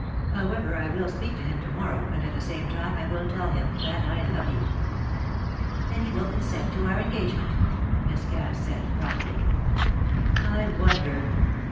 However, I will speak to him to morrow, and at the same time I will tell him that I love you. "Then he will consent to our engagement," Miss Cass said, promptly. "I wonder!"